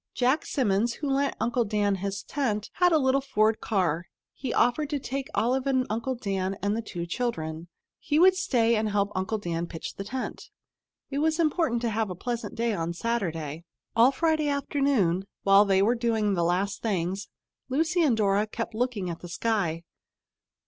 Jack Simmons, who lent Uncle Dan his tent, had a little Ford car. He offered to take Olive and Uncle Dan and the two children. He would stay and help Uncle Dan pitch the tent. It was important to have a pleasant day on Saturday. All Friday afternoon, while they were doing the last things, Lucy and Dora kept looking at the sky.